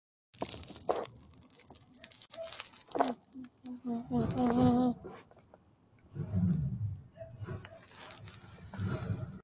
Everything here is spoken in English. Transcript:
All three of these versions were taped in New York City.